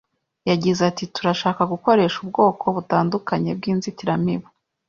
Yagize ati, “Turashaka gukoresha ubwoko butandukanye bw’inzitiramibu